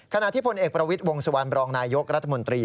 ขณะที่พลเอกประวิทย์วงสุวรรณบรองนายยกรัฐมนตรี